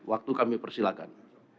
waktu kami persilahkan